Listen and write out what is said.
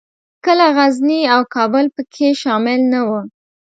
کله غزني او کابل پکښې شامل نه وو.